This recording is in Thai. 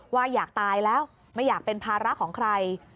ว่าอยากตายแล้วไม่อยากเป็นภาระของใคร